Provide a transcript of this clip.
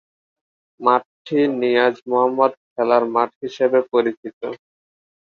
মাঠটি নিয়াজ মোহাম্মদ খেলার মাঠ হিসেবে পরিচিত।